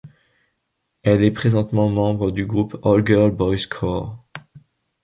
Elle est présentement membre du groupe All-Girl Boys Choir.